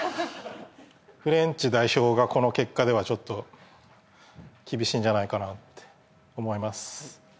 フレンチ代表がこの結果ではちょっと厳しいんじゃないかなって思います